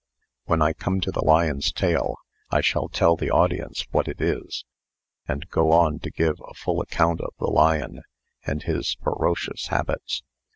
When I come to the lion's tail, I shall tell the audience what it is, and go on to give a full account of the lion, and his ferocious habits.